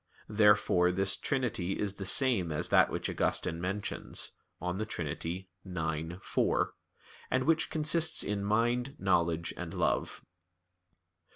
Therefore, this trinity is the same as that which Augustine mentions (De Trin. ix, 4), and which consists in mind, knowledge, and love.